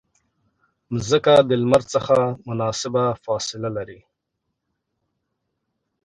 مځکه د لمر څخه مناسبه فاصله لري.